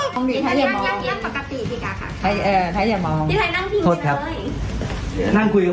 ท่ายอย่ามองท่ายนั่งจริงจริงเลย